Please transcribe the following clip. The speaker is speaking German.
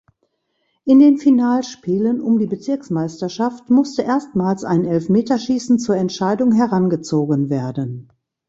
In den Finalspielen um die Bezirksmeisterschaft musste erstmals ein Elfmeterschießen zur Entscheidung herangezogen werden.